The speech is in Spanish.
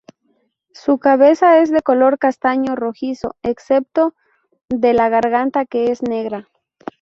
Su cabeza es de color castaño rojizo, excepto de la garganta que es negra.